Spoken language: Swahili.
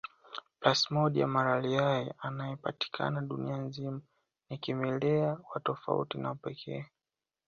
Plasmodium malariae anayepatikana dunia nzima ni kimelea wa tofauti na wa pekee